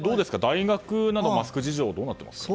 大学などのマスク事情はどうなっていますか？